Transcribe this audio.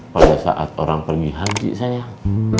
pada saat orang pergi haji sayang